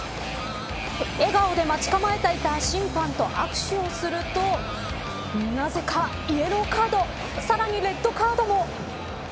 笑顔で待ち構えていた審判と握手をするとなぜか、イエローカードさらにレッドカードも。